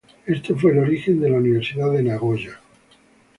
Este fue el origen de la Universidad de Nagoya.